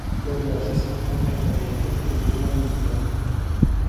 La diocesi comprende la regione peruviana di Ica.